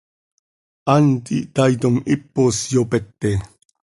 Hant ihtaaitom, hipos yopete.